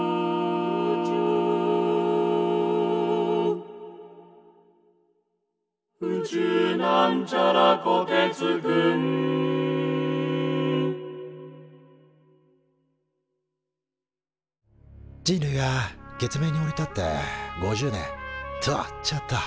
「宇宙」人類が月面に降り立って５０年とちょっと。